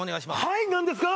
はい何ですか？